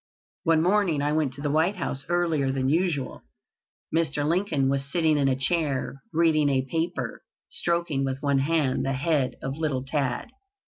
One morning I went to the White House earlier than usual. Mr. Lincoln was sitting in a chair, reading a paper, stroking with one hand the head of little Tad.